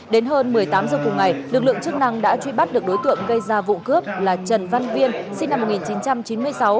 đến hơn một mươi tám h cùng ngày lực lượng chức năng đã truy bắt được đối tượng gây ra vụ cướp là trần văn viên sinh năm một nghìn chín trăm chín mươi sáu